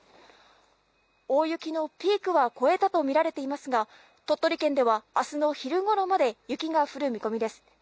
大雪のピークは越えたと見られていますが、鳥取県ではあすの昼頃まで雪が降る見込みです。